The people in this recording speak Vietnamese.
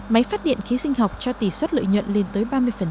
máy phát điện khí sinh học cho tỷ suất lợi nhuận lên tới ba mươi